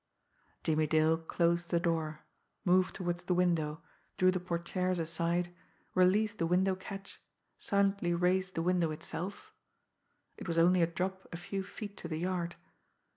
Jimmie Dale closed the door, moved toward the window, drew the portieres aside, released the window catch, silently raised the window itself it was only a drop a few feet to the yard!